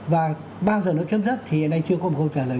và bao giờ nó chấm dứt thì hiện nay chưa có một câu trả lời